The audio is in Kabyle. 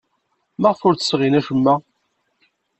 Maɣef ur d-sɣin acemma?